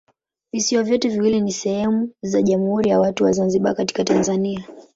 Visiwa vyote viwili ni sehemu za Jamhuri ya Watu wa Zanzibar katika Tanzania.